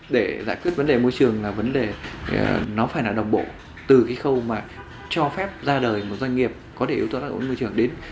để giải quyết vấn đề môi trường là vấn đề nó phải là đồng bộ từ cái khâu mà cho phép ra đời một doanh nghiệp có thể yếu tố tác động môi trường đến